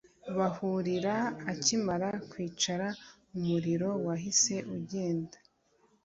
bahurira akimara kwicara umuriro wahise ugenda